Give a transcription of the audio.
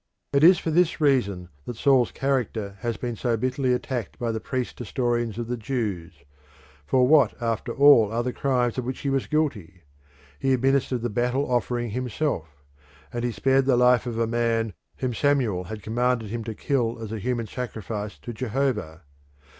It is for this reason that Saul's character has been so bitterly attacked by the priest historians of the Jews. For what after all are the crimes of which he was guilty? He administered the battle offering himself, and he spared the life of a man whom Samuel had commanded him to kill as a human sacrifice to Jehovah.